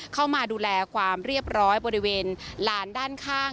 เข้ามาดูแลความเรียบร้อยบริเวณลานด้านข้าง